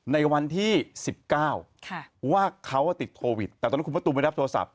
ในวันที่สิบเก้าค่ะว่าเขาติดโควิดแต่ตอนนั้นคุณมะตูมไม่ได้รับโทรศัพท์